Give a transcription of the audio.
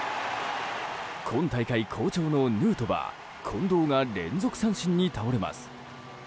今大会好調のヌートバー近藤が連続三振に倒れます。